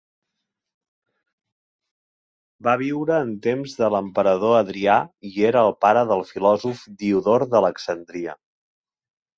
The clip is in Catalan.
Va viure en temps de l'emperador Adrià i era el pare del filòsof Diodor d'Alexandria.